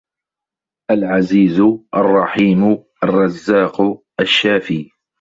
العزيز، الرحيم، الرزاق، الشافي